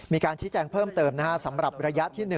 มีการชี้แจงเพิ่มเติมสำหรับระยะที่๑